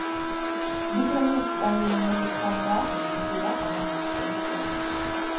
Bitera nnyo okusangibwa mu bifo nga ebidiba oba mu musenyusenyu.